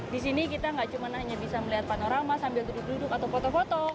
di sini kita nggak cuma hanya bisa melihat panorama sambil duduk duduk atau foto foto